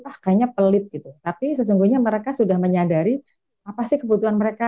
ah kayaknya pelit gitu tapi sesungguhnya mereka sudah menyadari apa sih kebutuhan mereka